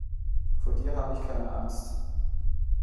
Vor dir habe ich keine Angst.